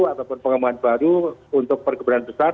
ataupun pengembangan baru untuk perkebunan besar